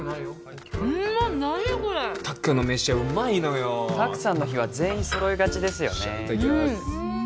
うまっ何これ拓の飯はうまいのよ拓さんの日は全員揃いがちですよねねえ